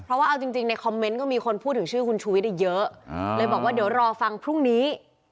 เพราะว่าเอาจริงในคอมเมนต์ก็มีคนพูดถึงชื่อคุณชูวิทย์เยอะเลยบอกว่าเดี๋ยวรอฟังพรุ่งนี้